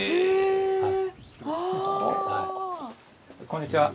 こんにちは。